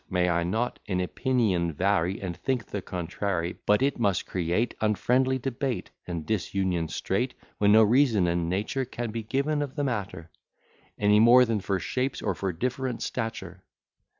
May I not In opinion vary, And think the contrary, But it must create Unfriendly debate, And disunion straight; When no reason in nature Can be given of the matter, Any more than for shapes or for different stature?